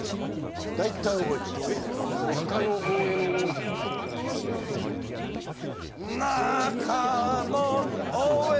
中大兄皇子の歌って例えばさわりどんな感じなんですか？